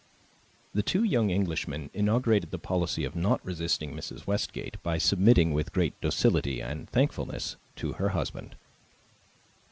The two young Englishmen inaugurated the policy of not resisting Mrs. Westgate by submitting, with great docility and thankfulness, to her husband.